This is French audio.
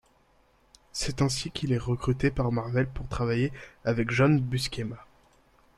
C'est ainsi qu'il est recruté par Marvel pour travailler avec John Buscema.